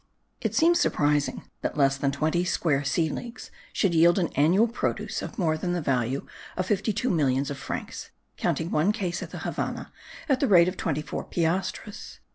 It seems surprising that less than twenty square sea leagues should yield an annual produce of more than the value of fifty two millions of francs (counting one case, at the Havannah, at the rate of twenty four piastres).